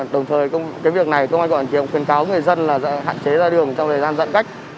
đồng thời cái việc này công an còn khuyến cáo người dân là hạn chế ra đường trong thời gian dặn cách